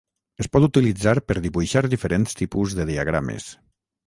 Es pot utilitzar per dibuixar diferents tipus de diagrames.